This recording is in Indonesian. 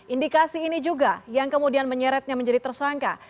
indikasi ini juga yang kemudian menyeretnya menjadi tersangka